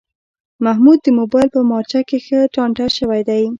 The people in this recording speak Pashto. محمود د مبایل په مارچه کې ښه ټانټه شوی دی.